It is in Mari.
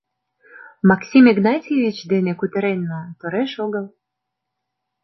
Максим Игнатьевич дене кутыренна, тореш огыл.